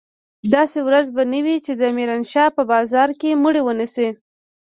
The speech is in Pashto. داسې ورځ به نه وي چې د ميرانشاه په بازار کښې مړي ونه سي.